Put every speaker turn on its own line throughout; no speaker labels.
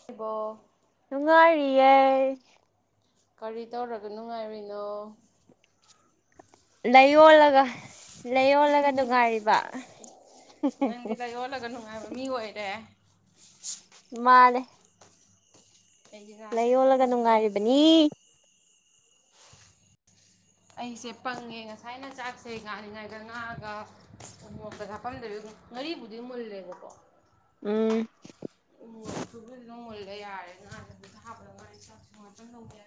ꯁꯤꯕ
ꯅꯨꯡꯉꯥꯔꯤꯏ
ꯀꯔꯤ ꯇꯧꯔꯒ ꯅꯨꯡꯉꯥꯏꯔꯤꯔꯤꯅꯣ
ꯂꯩꯌꯣꯜꯂꯒ ꯂꯩꯌꯣꯜꯂꯒ ꯅꯨꯡꯉꯥꯏꯔꯤꯕ
ꯅꯪꯗꯤꯗ ꯌꯣꯜꯂꯒ ꯅꯨꯡꯉꯥꯏꯕ ꯃꯤ ꯑꯣꯏꯔꯦ
ꯃꯥꯅꯦ
ꯑꯩꯗꯤ ꯅꯍꯥꯟꯗꯩ
ꯂꯥꯏꯌꯣꯜꯂꯒ
ꯈꯪꯉꯨꯗ꯭ꯔꯦ
ꯅꯨꯡꯉꯥꯏꯔꯤꯕꯅꯤ
ꯑꯩꯁꯦ ꯄꯪꯉꯦ ꯉꯁꯥꯏꯅ ꯆ ꯉꯁꯦ ꯉꯥꯡꯥꯅꯤꯉꯥꯏꯗ ꯉꯥꯛꯑꯒ ꯑꯗꯨ ꯃꯣꯇ ꯊꯞꯐꯝꯗꯕꯤ ꯉꯥꯔꯤꯕꯨꯗꯤ ꯃꯨꯜꯂꯦꯕꯀꯣ
ꯎꯝ
ꯂꯣꯜꯂ ꯌꯥꯔꯦ ꯉꯥꯂꯗꯨꯗ ꯍꯥꯞꯄꯗ ꯋꯥꯔꯤ ꯆꯥꯛ ꯉꯥꯛꯇ ꯌꯥ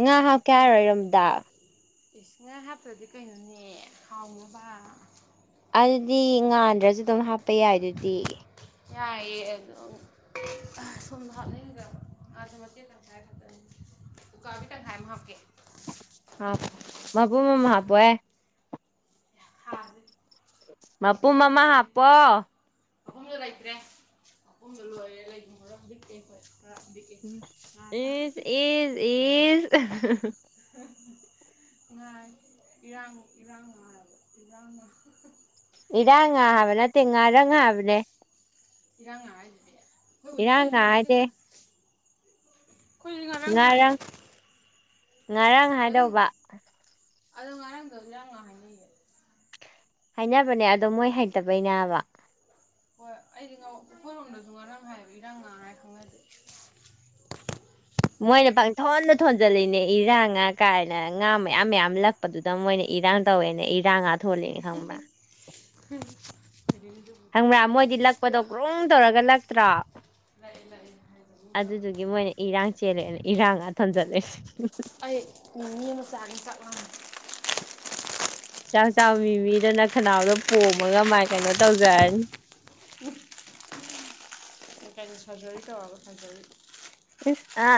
ꯉꯥ ꯍꯥꯎ ꯀꯌꯥꯔꯣꯏꯔꯣꯝꯗ
ꯏꯁꯤꯡ ꯉꯥ ꯍꯥꯞꯄ꯭ꯔꯗꯤ ꯀꯩꯅꯣꯅꯦ ꯍꯥꯎꯅꯕ
ꯑꯗꯨꯗꯤ ꯉꯥꯟꯗ꯭ꯔꯁꯨ ꯑꯗꯨꯝ ꯍꯥꯞꯄ ꯌꯥꯏ ꯑꯗꯨꯗꯤ
ꯌꯥꯏꯌꯦꯦ ꯑꯗꯣ ꯁꯣꯝꯗ ꯍꯥꯞꯅꯤꯡꯒ ꯑꯥꯁ ꯃꯇꯦꯛ ꯈꯥꯏ ꯈꯛꯇꯅꯤ ꯇꯀꯥꯕꯤꯗ ꯝ ꯍꯥꯞ ꯀꯦ
ꯍꯥꯄ ꯃꯥꯄꯃꯃ ꯍꯥꯄꯑꯦ
ꯊꯥꯁꯦ
ꯃꯄꯨ ꯃꯃꯥ ꯍꯥꯞꯄꯣ
ꯑꯐꯝꯗꯣ ꯂꯩꯇ꯭ꯔꯦ ꯑꯄꯐꯝꯗꯣ ꯂꯣꯏꯔꯦ ꯂꯩꯔꯗꯤꯛꯛꯇꯦ ꯍꯣꯏ
ꯑꯦꯁ ꯑꯦꯁ ꯑꯦꯁ
ꯉꯥꯏ ꯏꯔꯥꯡ ꯏꯔꯥꯡ ꯉꯥꯏꯔꯕ ꯏꯔꯥꯡ
ꯏꯔꯥꯡ ꯉ ꯍꯥꯏꯕ ꯅꯠꯇꯦ ꯉꯥꯔꯪꯕꯅꯦ
ꯏꯔꯥꯡ ꯍꯥꯏ ꯍꯣꯏ ꯍ
ꯏꯔꯥꯡ ꯉꯥ
ꯀꯣꯏꯗꯉꯣ
ꯍꯥꯏꯗꯦ
ꯀꯣꯏꯗꯉꯥꯏ
ꯉꯔꯥꯡ ꯉꯔꯥꯡ ꯍꯥꯏꯗꯧꯕ
ꯑꯗꯨ ꯉꯔꯥꯡꯒꯔ ꯉꯥꯡ ꯍꯥꯏ ꯂꯩꯦ
ꯍꯥꯏꯅꯕꯅꯦ ꯑꯗꯣ ꯃꯣꯏ ꯍꯩꯇꯕꯩꯅꯦꯕ
ꯍꯣꯏ ꯑꯩꯗꯤ ꯑꯩꯈꯣꯏꯔꯣꯝꯗꯁꯨ ꯉꯔꯥꯡ ꯍꯥꯏꯕ ꯏꯔꯥꯡ ꯉꯥꯡꯉꯥꯏ ꯈꯪꯅꯗꯦ [inaudible]
ꯃꯣꯏꯅ ꯄꯥꯡꯊꯣꯟꯗ ꯊꯣꯟꯖꯜꯂꯤꯅꯦ ꯏꯔꯥꯡ ꯉꯥ ꯀꯥꯏꯅ ꯉꯥ ꯃꯌꯥꯝ ꯃꯌꯥꯝ ꯂꯛꯄꯗꯨꯗ ꯃꯣꯏꯅ ꯏꯔꯥꯡ ꯇꯧꯦꯅꯦ ꯏꯔꯥꯡ ꯉꯥ ꯊꯣꯂꯦꯅꯦ ꯈꯪꯕ꯭ꯔꯥ
ꯎꯝ
ꯍꯪꯕ꯭ꯔꯥ ꯃꯣꯏꯗꯤ ꯂꯛꯄꯗꯣ ꯒ꯭ꯔꯨꯝ ꯇꯧꯔꯒ ꯂꯛꯇ꯭ꯔꯣ
ꯂꯥꯛꯑꯦ ꯂꯥꯛꯑꯦ ꯍꯥꯏꯖꯕ
ꯑꯗꯨꯗꯨꯒꯤ ꯃꯣꯏꯅ ꯏꯔꯥꯡ ꯆꯦꯜꯂꯦꯅ ꯏꯔꯥꯡꯒ ꯊꯣꯟꯖꯜꯂꯁꯦ
ꯑꯩ ꯃꯤ ꯃꯤ ꯃꯆꯥꯅꯤ ꯆꯥꯛꯂꯝꯥꯡꯃꯦ
ꯆꯥꯛ ꯆꯥꯃꯤ ꯃꯤꯗꯅ ꯈꯅꯥꯎꯗꯣ ꯄꯣꯝꯃꯒ ꯃꯥꯏ ꯀꯩꯅꯣ ꯇꯧꯖꯔꯅꯤ
ꯎ ꯀꯩꯅꯣ ꯁꯔꯖꯔꯤ ꯇꯧꯔꯒ ꯁꯔꯖꯔꯤ
ꯏ ꯑ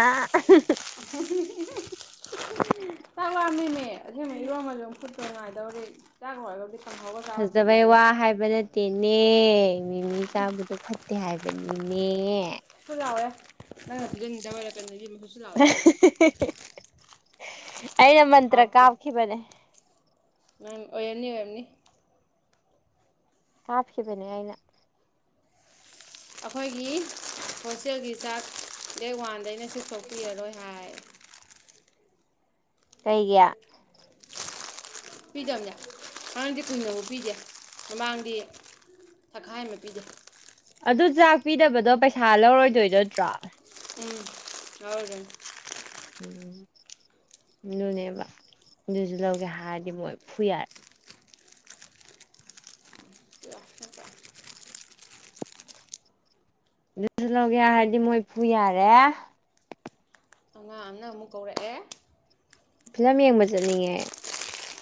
ꯇꯥꯏ ꯋꯥꯔ ꯅꯅꯦ ꯏꯔꯣꯃꯣ ꯈꯨꯠꯠꯇ ꯉꯥꯏꯗꯕꯗꯤ ꯆ ꯍꯥꯏꯔꯒꯕꯨꯗꯤ
ꯐꯖꯕꯩ ꯋꯥ ꯍꯥꯏꯕ ꯅꯠꯇꯦꯅꯦ ꯃꯤꯃꯤ ꯆꯥꯕꯗꯣ ꯐ ꯇ ꯍꯥꯏꯕꯅꯤꯅꯦ
ꯋꯦꯪꯗ
[inaudible] ꯑꯩꯅ ꯃꯟꯇ꯭ꯔ ꯀꯥꯞꯈꯤꯕꯅꯦ
ꯅꯝ ꯑꯣꯏꯔꯅꯤ ꯑꯣꯏꯔꯝꯅꯤ
ꯀꯥꯞꯈꯤꯕꯅꯦ ꯑꯩꯅ
ꯑꯩꯈꯣꯏꯒꯤ ꯍꯣꯁꯦꯜꯒꯤ ꯆꯥꯔꯖ ꯗꯦꯠ ꯋꯥꯟꯗꯩꯅ ꯁꯤꯊꯣꯛꯄꯤꯔꯔꯣꯏ ꯍꯥꯏ
ꯀꯩꯒꯤ
ꯄꯤꯗꯕꯅꯦ ꯑꯉꯥꯡꯗꯤ ꯀꯨꯏꯗꯐ ꯄꯤꯒꯦ ꯃꯃꯥꯡꯗꯤ ꯇꯛꯈꯥꯏ ꯑꯃ ꯄꯤꯗ
ꯑꯗꯨ ꯆꯥꯛ ꯄꯤꯗꯕꯗꯣ ꯄꯩꯁꯥ ꯂꯧꯔꯣꯏꯗꯣꯏ ꯅꯠꯇ꯭ꯔꯣ
ꯎꯝ ꯍꯧꯗ
ꯎꯝ ꯑꯗꯨꯅꯦꯕ ꯑꯗꯨꯁꯨ ꯂꯧꯒꯦ ꯍꯥꯏꯔꯗꯤ ꯃꯣꯏ ꯐꯨ ꯌꯥꯔꯦ ꯑꯗꯨꯁꯨ ꯂꯧꯒꯦ ꯍꯥꯏꯔꯗꯤ ꯃꯣꯏ ꯄꯨꯨ ꯌꯥꯔꯦ
ꯑꯉꯥꯡ ꯑꯃꯅ ꯑꯃꯨꯛ ꯀꯧꯔꯛꯑꯦ
ꯐꯤꯂꯝ ꯌꯦꯡꯕ ꯆꯠꯅꯤꯡꯉꯦ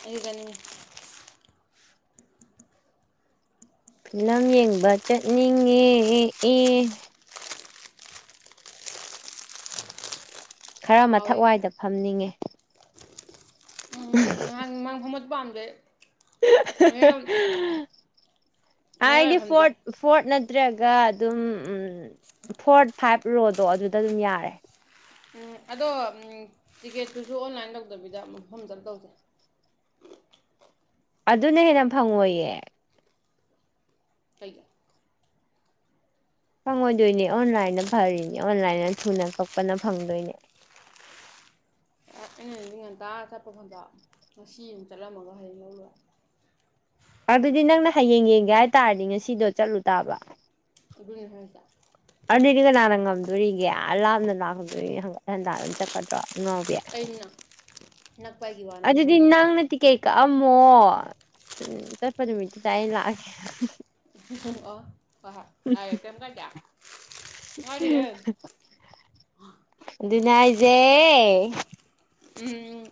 ꯑꯗꯨꯕꯅꯤ
ꯐꯤꯂꯝ ꯌꯦꯡꯕ ꯆꯠꯅꯤꯡꯉꯦ ꯑꯦ ꯑꯦ ꯈꯔ
ꯍꯥꯎꯋꯦ
ꯃꯊꯛꯋꯥꯏꯗ ꯐꯝꯅꯤꯡꯉꯦ
ꯎꯝ ꯉꯍꯥꯡ ꯃꯥꯡ ꯍꯃꯠ ꯄꯥꯟꯕ ꯃꯌꯥꯝ
ꯍꯥꯏꯗꯤ
ꯌꯥꯏꯐꯝꯁꯦ
ꯐꯣꯔꯠ ꯐꯣꯔꯠꯅ ꯅꯠꯇ꯭ꯔꯒ ꯑꯗꯨꯝ ꯐꯣꯔ ꯐꯥꯏꯚ ꯔꯣꯗꯣ ꯑꯗꯨꯗ ꯑꯗꯨꯝ ꯌꯥꯔꯦ
ꯎꯝ ꯑꯗꯣ ꯇꯤꯀꯦꯠꯇꯨꯁꯨ ꯑꯣꯟꯂꯥꯏꯟ ꯇꯧꯗꯕꯤꯗꯐꯝꯗꯔ ꯇꯧꯁꯩ
ꯑꯗꯨꯅ ꯍꯦꯟꯅ ꯐꯪꯉꯣꯏꯌꯦ
ꯀꯩꯒ
ꯐꯪꯉꯣꯏꯗꯣꯏꯅꯦ ꯑꯣꯟꯂꯥꯏꯗ ꯐꯔꯤꯅꯦ ꯑꯣꯟꯂꯥꯏꯗ ꯊꯨꯅ ꯀꯛꯄꯅ ꯐꯪꯗꯣꯏꯅꯦ
ꯑꯩ ꯉꯟꯇꯥ ꯆꯠꯄ ꯈꯗ ꯉꯁꯤ ꯑꯃ ꯆꯠꯂꯝꯃꯒ ꯍꯌꯦꯡ ꯂꯧꯔ
ꯑꯗꯨꯗꯤ ꯅꯪꯅ ꯍꯌꯦꯡ ꯌꯦꯡꯒꯦ ꯍꯥꯏꯇꯥꯥꯔꯗꯤ ꯉꯁꯤꯗꯣ ꯆꯠꯂꯨ ꯇꯥꯕ
ꯏꯒꯘꯁ
ꯑꯅꯤꯗꯤ ꯀꯅꯥꯅ ꯉꯝꯗꯣꯔꯤꯒꯦ ꯂꯥꯞꯅ ꯂꯥꯛꯀꯗꯣꯏꯔꯤ ꯍꯠ ꯍꯟꯗ ꯑꯗꯨꯝ ꯆꯠꯀꯗ꯭ꯔꯣ ꯉꯧꯕ
ꯑꯩꯅ ꯅꯛꯄ ꯑꯩꯒꯤ ꯋꯥꯅꯦ ꯑꯩꯅ
ꯑꯗꯨꯗꯤ
ꯍꯥꯏꯁꯤꯅ
ꯅꯪꯅ ꯇꯤꯀꯦꯠꯇ ꯀꯛꯑꯝꯃꯣ ꯆꯠꯄ ꯅꯨꯃꯤꯠꯇꯨꯗ ꯑꯩ ꯂꯥꯛꯑꯒꯦ
ꯁꯟ ꯑꯥꯏꯇꯦꯝ ꯀꯗ ꯌꯥꯔ
ꯑꯗꯨꯅꯥꯏꯖꯦ
ꯎꯝ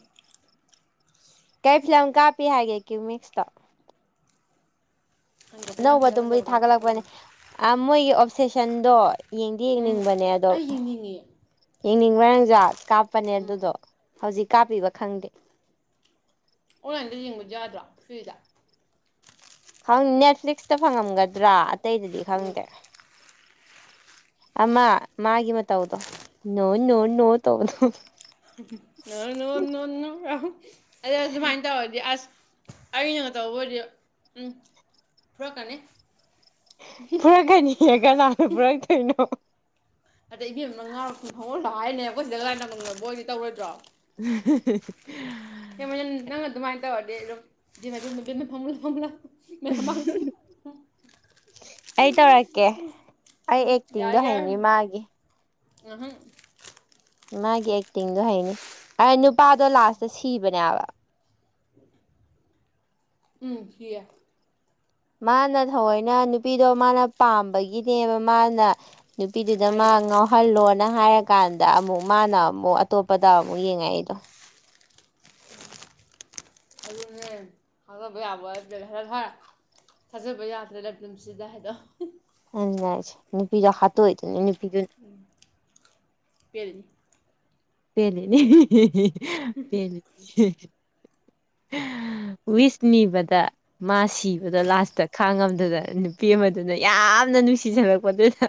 ꯀꯩ ꯐꯤꯂꯝ ꯀꯥꯞꯄꯤ ꯍꯥꯏꯒꯦ ꯀ꯭ꯌꯨꯃꯤꯛꯁꯇꯣ
ꯈꯪꯗꯦ ꯐꯤꯂꯝ
ꯑꯅꯧꯕ
ꯐꯖ
ꯑꯗꯨꯝꯕꯨꯗꯤ
ꯐꯖꯕ ꯀꯥꯞ ꯀꯥꯞꯄ ꯑꯃ
ꯊꯥꯒꯠꯂꯛꯄꯅꯦ ꯃꯣꯏꯒꯤ ꯑꯣꯞꯁꯦꯁꯟꯗꯣ ꯌꯦꯡꯗꯤ
ꯎꯝ
ꯌꯦꯡꯅꯤꯡꯕꯅꯦ ꯑꯗꯣ
ꯑꯩ ꯌꯦꯡꯅꯤꯡꯉꯦ
ꯌꯦꯡꯅꯤꯡꯕ꯭ꯔꯥ ꯅꯪꯖꯥ ꯀꯥꯞꯄꯅꯦ
ꯎꯝ
ꯑꯗꯨꯗꯣ ꯍꯧꯖꯤꯛ ꯀꯥꯞꯄꯤꯕ ꯈꯪꯗꯦ
ꯑꯣꯟꯂꯥꯏꯟꯗ ꯌꯦꯡꯕꯗꯤ ꯌꯥꯗ꯭ꯔꯣ ꯐ꯭ꯔꯤꯗ
ꯅꯦꯠꯐ꯭ꯂꯤꯛꯁꯇ ꯐꯪꯉꯝꯒꯗ꯭ꯔꯥ ꯑꯇꯩꯗꯗꯤ
ꯎꯝ
ꯈꯪꯗꯦ ꯑꯃ ꯃꯥꯒꯤ ꯃꯇ ꯇꯧꯗꯣ ꯅ ꯅꯣꯏ ꯅꯨ ꯇꯧꯕꯅꯣ
ꯅ ꯅ ꯑ ꯍꯧꯁꯨꯃꯥꯏꯅ ꯇꯧꯗꯤ ꯑꯁ ꯑꯩꯩꯅ ꯉ ꯇꯧꯕ ꯑꯣꯏꯗꯤ ꯎꯝ ꯐꯔꯛꯀꯅꯤ
ꯄꯨꯔꯛꯀꯅꯤ ꯀꯅꯥꯅꯣ ꯄꯨꯔꯛꯇꯛꯇꯣꯏꯅꯣ
ꯑꯣ ꯂ ꯍꯥꯏꯅꯦ ꯑꯩꯈꯣꯏ ꯁꯤꯗ ꯂꯥꯏꯅꯃꯪꯕꯣꯏꯗꯤ ꯇꯧꯔꯣꯏꯗ꯭ꯔꯣ
ꯍꯍꯍ
ꯍꯦꯃꯟ ꯅꯪꯅ ꯑꯗꯨꯃꯥꯏꯅ ꯇꯧꯔꯗꯤ ꯃꯟ ꯃꯆꯤꯟ ꯐꯝꯂꯣ ꯐꯝꯂꯣ ꯃꯦꯃꯥꯟꯅ
ꯑꯩ ꯇꯧꯔꯛꯀꯦ ꯑꯩ ꯑꯦꯛꯇꯤꯡꯗꯣ ꯍꯩꯅꯤ ꯃꯥꯒꯤ
ꯑꯍꯨꯝ
ꯃꯥꯒꯤ ꯑꯦꯛꯇꯤꯡꯗꯣ ꯍꯩꯅꯤ ꯑ ꯅꯨꯄꯥꯗꯣ ꯂꯥꯁꯇ ꯁꯤꯕꯅꯦꯕ
ꯎꯝ ꯌꯦꯠ
ꯃꯥꯅ ꯊꯑꯣꯏꯅ ꯅꯨꯄꯤꯗꯣ ꯃꯥꯅ ꯄꯥꯝꯕꯒꯤꯅꯦꯕ ꯃꯥꯅ ꯅꯨꯄꯤꯗꯨꯗ ꯃꯥ
ꯍꯥꯏꯔꯣꯕ
ꯉꯥꯎꯍꯜꯂꯣꯅ ꯍꯥꯏꯔ ꯀꯥꯟꯗ ꯑꯃꯨꯛ ꯃꯥꯅ ꯑꯃꯨꯛ ꯑꯇꯣꯞꯄꯗ ꯑꯃꯨꯛ ꯌꯦꯡꯉꯛ ꯑꯩꯗꯣ
ꯑꯨ ꯃꯦꯝ ꯍꯗ ꯕꯌꯥꯕꯔꯚ ꯊꯥꯖꯕ ꯌꯥꯗ꯭ꯔꯦ ꯂꯝꯗꯝꯁꯤꯗ ꯍꯥꯏꯗꯣ
ꯑ ꯅꯨꯄꯤꯗ ꯍꯥꯠꯇꯣꯛꯏꯗꯨꯅꯤ ꯅꯨꯄꯤꯗꯨ
ꯄꯦꯅꯤ
ꯄꯦꯂꯤꯅꯤ
[inaudible]
ꯋꯤꯁ ꯅꯤꯕꯗ ꯃꯥ ꯁꯤꯕꯗ ꯂꯥꯁꯇ ꯈꯥꯡꯉꯝꯗꯨꯗ ꯅꯨꯄꯤ ꯑꯃꯗꯨꯅ ꯌꯥꯝꯅ ꯅꯨꯡꯁꯤꯖꯉꯛꯄꯗꯨꯗ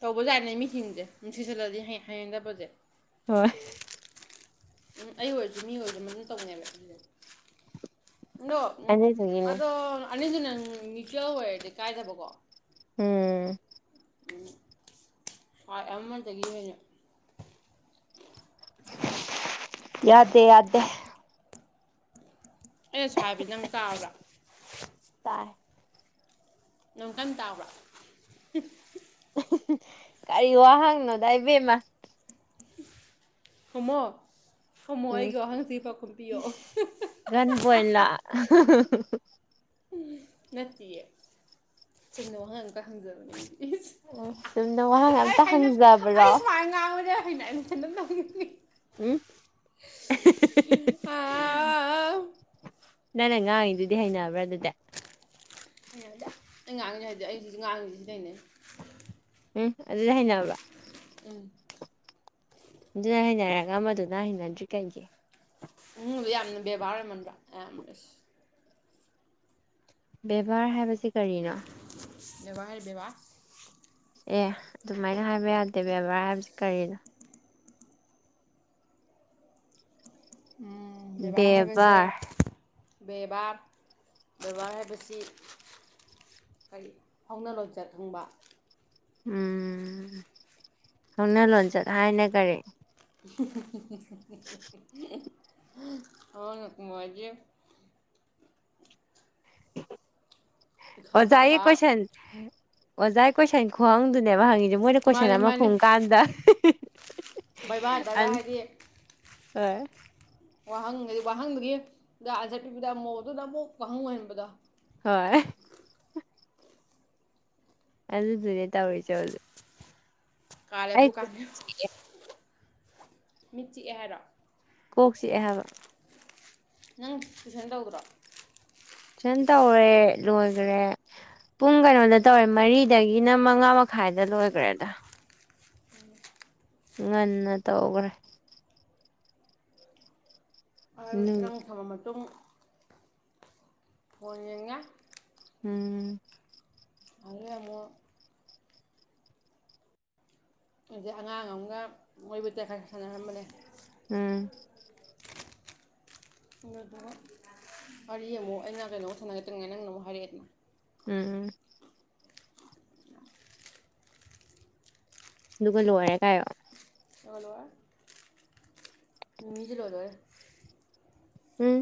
ꯇꯧꯕ ꯌꯥꯠꯅꯦ ꯃꯤꯁꯤꯡꯁꯦ ꯅꯨꯡꯁꯤꯁꯜꯂꯗꯤ ꯍꯌꯦꯡꯗꯕꯁꯦ
ꯍꯣꯏ
ꯎꯝ ꯑꯩ ꯑꯣꯏꯔꯁꯨ ꯃꯤ ꯑꯣꯏꯔꯁꯨ ꯃ ꯑꯗꯨꯝ ꯇꯧꯅꯦꯕ ꯑꯗꯨ ꯗꯣ
ꯑꯗꯨꯗꯨꯒꯤꯅꯦ
ꯑꯗꯣ ꯑꯅꯤꯁꯨ ꯅꯪ ꯃꯤ꯭ꯇꯦꯜ ꯑꯣꯏꯔꯗꯤ ꯀꯥꯏꯗꯕꯀꯣ
ꯎꯝ
ꯎ ꯑꯃꯟꯇꯗꯒꯤ ꯑꯣꯏꯅ
ꯌꯥꯗꯦ ꯌꯥꯗꯦ
ꯑꯦ ꯁꯥ ꯍꯥꯏꯕꯤ ꯅꯪ ꯇꯥꯕ꯭ꯔ
ꯇꯥꯏ
ꯅꯪꯈꯟ ꯇꯥꯕ꯭ꯔꯥ
ꯀꯔꯤ ꯋꯥꯍꯪꯅꯣꯗ ꯏꯕꯦꯝꯃ
ꯍꯃꯣ ꯈꯃꯣ
ꯎꯝ
ꯑꯩꯒ ꯋꯥꯍꯪꯆꯤ ꯄꯥꯎꯈꯨꯝ ꯄꯤꯌꯑꯣ
ꯒꯟ ꯄꯣꯏꯟꯂꯥ
ꯅꯠꯇꯦꯌꯦ ꯁꯦꯡꯅ ꯋꯥꯍꯪ ꯑꯝꯇ ꯍꯪꯖꯕꯅꯦ ꯏꯁ
ꯎꯝ ꯁꯨꯝꯗ ꯋꯥꯍꯪ ꯑꯝꯇ ꯍꯪꯖꯕ꯭ꯔꯣ
ꯑꯩꯅ ꯑꯩꯅ ꯁꯅ ꯇꯧꯈꯤꯅꯤ
ꯎꯝ ꯅꯪ ꯅ ꯉꯥꯡꯉꯩꯗꯨꯗꯤ ꯍꯩꯅꯕ꯭ꯔꯥ ꯑꯗꯨꯗꯤ
ꯍꯥꯏ ꯑꯩ ꯉꯥꯡꯉꯤꯅꯦ ꯍꯥꯏꯗꯤ ꯑꯩꯁꯤꯁꯨ ꯉꯥꯡꯉꯤꯁꯤ ꯁꯤ ꯂꯩꯅꯦꯩ
ꯎꯝ ꯑꯗꯨꯗꯤ ꯍꯩꯅꯔꯕ
ꯎꯝ
ꯑꯗꯨꯅ ꯍꯩꯅꯔꯒ ꯃꯗꯨꯅ ꯍꯩꯅꯗ꯭ꯔꯤ ꯀꯩꯒꯤ
ꯎ ꯌꯥꯝꯅ ꯕꯦꯕꯥꯔ ꯑꯣꯏꯃꯟꯕ꯭ꯔꯥ ꯑꯌꯥꯝꯁꯤ
ꯕꯦꯕꯥꯔ ꯍꯥꯏꯕꯁꯤ ꯀꯔꯤꯅꯣ
ꯕꯔ ꯕꯥꯥꯛ
ꯑꯦ ꯑꯗꯨꯃꯥꯏꯅ ꯍꯥꯏꯕ ꯌꯥꯗꯦ ꯕꯦꯕꯥꯔ ꯍꯥꯏꯕꯁꯤ ꯀꯔꯤꯅꯣ ꯕꯦꯕꯥꯔ
ꯕꯔ ꯕꯥꯔꯁꯦ ꯁꯤ ꯀꯔꯤ ꯍꯧꯥꯎꯅ ꯂꯣꯟꯆꯠ ꯍꯪꯕ
ꯎꯝ ꯍꯧꯪꯅ ꯂꯣꯟꯆꯠ ꯍꯥꯏꯅ ꯀꯔꯤ
[unintelligible] ꯍ ꯃꯏ [unintelligible] ꯏꯈꯥ
ꯑꯣꯖꯥꯏꯦ
ꯇꯥꯕ
ꯀꯣꯏꯁ ꯑꯣꯖꯥꯏ ꯀꯣꯏꯁꯟ ꯈꯨꯡꯪꯗꯨꯅꯦꯕ ꯍꯪꯉꯤꯁꯦ ꯃꯣꯏꯅ ꯀꯣꯏꯁꯟ
ꯃꯥꯅꯦ
ꯑꯃ ꯈꯣꯡ ꯀꯥꯟꯗ
ꯕꯩꯕꯥ ꯒꯥ ꯍꯥꯏꯗꯤ
ꯑ
ꯋꯥꯍꯪ ꯍꯥꯏꯗꯤ ꯋꯥꯍꯪꯗꯨꯒꯤ ꯑꯟꯁꯔ ꯄꯤꯕꯗ ꯑꯃꯨꯣꯗꯨꯅ ꯑꯃꯨꯛ ꯋꯥꯍꯪ ꯑꯣꯏꯍꯟꯕꯗꯣ
ꯍꯣꯏ ꯑꯗꯨꯗꯨꯅꯦ ꯇꯧꯔꯤ ꯆ ꯍꯦꯖꯤꯛ
ꯀꯂꯦ ꯄꯨ ꯀꯥ ꯃꯤꯆꯤꯑꯦ ꯍꯥꯏꯔꯛ
ꯀꯣꯛꯁꯤꯑ ꯍꯥꯏꯕ
ꯅꯪ ꯇꯨꯏꯁꯟ ꯇꯧꯕ꯭ꯔꯣ
ꯁꯦꯟ ꯇꯧꯔꯦ ꯂꯣꯏꯈꯔꯦ ꯄꯨꯡ ꯀꯩꯅꯣꯗ ꯇꯧꯔꯦ ꯃꯔꯤꯗꯒꯤꯅ ꯃꯉꯥ ꯃꯈꯥꯏꯗ ꯂꯣꯏꯈ꯭ꯔꯦꯗ ꯉꯟꯅ ꯇꯧꯈ꯭ꯔꯦ ꯎꯝ
ꯅꯪ ꯊꯝꯃ ꯃꯇꯨꯡ ꯐꯣꯅꯦ ꯌꯦꯪ ꯉꯦ
ꯎꯝ
ꯑꯂꯦ ꯑꯃ ꯑ ꯑꯉꯥꯡ ꯑꯃꯒ ꯃꯣꯏꯕꯨ ꯇꯦꯛ ꯈꯔ ꯁꯥꯟꯅꯔꯝꯕꯅꯦ
ꯎꯝ
ꯑꯗꯨ ꯋꯥꯔꯤꯌꯦ ꯑꯃꯨꯛ ꯑꯩꯅ ꯀꯩꯅꯣꯃꯧ ꯁꯥꯟꯅꯒꯠꯇ꯭ꯔꯤꯉꯥꯏ ꯅꯪꯅ ꯑꯃꯨꯛ ꯍꯥꯏꯔꯛꯑꯦꯗꯅ
ꯎꯝ ꯑꯗꯨꯒ ꯂꯣꯏꯔꯦ ꯀꯥꯏꯔꯣ
ꯍꯜꯂꯣ ꯃꯤꯃꯤ ꯆ ꯂꯣꯏꯗꯦ
ꯎꯝ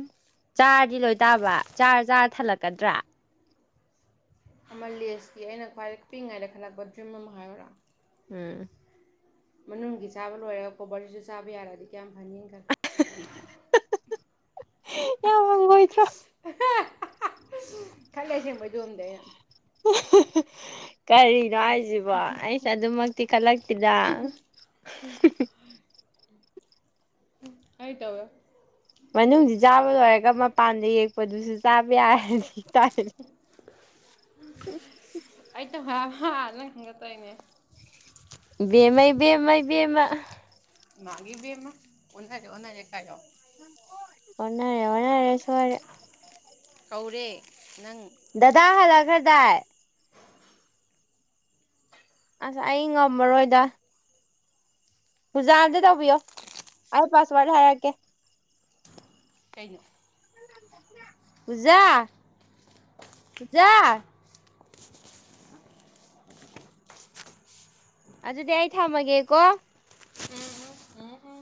ꯆꯥꯔꯗꯤ ꯂꯣꯏ ꯇꯥꯕ ꯆꯥꯔ ꯆꯥꯔ ꯊꯜꯂꯛꯀꯗ꯭ꯔꯥ
ꯑꯃ ꯂꯦꯁꯀꯤ ꯑꯩꯅ ꯈ꯭ꯋꯥꯏ ꯄꯤꯛꯏꯉꯥꯏꯗ ꯈꯜꯂꯛꯄ ꯗ꯭ꯔꯤꯝ ꯑꯃ ꯍꯥꯏꯔꯔꯥ
ꯎꯝ
ꯃꯅꯨꯡꯒꯤ ꯆꯥꯕ ꯂꯣꯏꯔꯒ ꯀꯣꯕꯔꯁꯤꯁꯨ ꯆꯥꯕ ꯌꯥꯔꯗꯤ ꯀꯌꯥꯝ ꯐꯅꯤꯅ ꯈꯜꯂꯦ
ꯌꯥꯝꯥꯡꯕꯣꯏꯗ꯭ꯔꯣ
ꯈꯂꯦꯁ ꯃꯖꯣ ꯑꯗ ꯌꯥꯝ
[inaudible] ꯀꯔꯤꯅꯣ ꯍꯥꯏꯁꯤꯕꯣ ꯑꯩꯁꯦ ꯑꯗꯨꯃꯛꯇꯤ ꯈꯜꯂꯛꯇꯦꯗ [inaudible]
ꯍꯥꯏꯥꯏ ꯇꯋꯥ
ꯃꯅꯨꯡꯁꯤ ꯆꯥꯕ ꯂꯣꯏꯔꯒ ꯃꯄꯥꯟꯗ ꯌꯦꯛꯄꯗꯨꯁꯨ ꯆꯥꯕꯔ ꯇ
ꯑ ꯅꯪ ꯈꯟꯒꯠꯇꯣꯏꯅꯦ
ꯕꯦꯃꯥꯏ ꯦꯝꯃꯥꯏ ꯕꯦꯝꯃ
ꯃꯥꯒꯤꯕꯤꯦꯝ ꯑꯃ ꯑꯣ ꯀꯥꯣ
ꯑꯣꯟꯅꯔꯦ ꯑꯣꯟꯅꯔꯦ ꯁꯃꯔꯦ
ꯀꯧꯔꯦ ꯅꯪ
ꯗꯗꯥ ꯍꯥꯂ ꯈꯗꯥꯑ ꯑꯁ ꯑꯩ ꯉꯝꯃꯔꯣꯏꯗ ꯖꯥ ꯑꯝꯇ ꯇꯧꯕꯤꯌꯣ ꯑꯩ ꯄꯥꯁꯋꯥꯔꯗ ꯍꯥꯏꯔꯛꯀꯦ
ꯀꯩꯅꯣ
ꯄꯖꯥ ꯄꯖꯥ ꯑꯗꯨꯗꯤꯏ ꯊꯥꯃꯒꯦꯀꯣ
ꯎꯝ ꯎꯝ